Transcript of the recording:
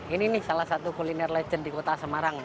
ini nih salah satu kuliner legend di kota semarang